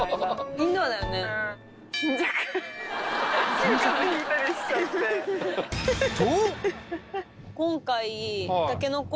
すぐ風邪ひいたりしちゃって。と今回。